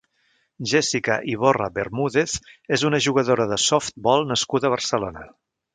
Jessica Iborra Bermúdez és una jugadora de softbol nascuda a Barcelona.